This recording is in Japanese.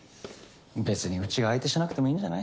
べつにうちが相手しなくてもいいんじゃない？